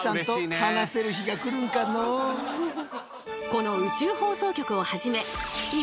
この宇宙放送局をはじめ今